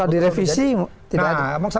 kalau direvisi tidak ada